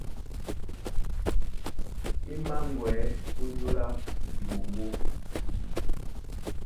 E mǎŋgwɛ̌ ónyólá eɓoŋgó.